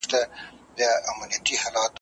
او له خپل یوازیتوبه سره ژاړې ,